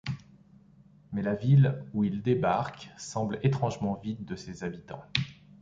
Mais la ville où ils débarquent semble étrangement vide de ses habitants.